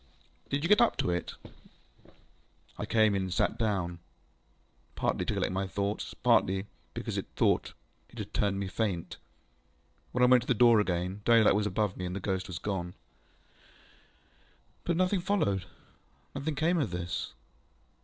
ŌĆ£Did you go up to it? ŌĆØ ŌĆ£I came in and sat down, partly to collect my thoughts, partly because it had turned me faint. When I went to the door again, daylight was above me, and the ghost was gone. ŌĆØ ŌĆ£But nothing followed? Nothing came of this?